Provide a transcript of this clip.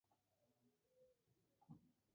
Los canales pueden tener múltiples anchos y rangos.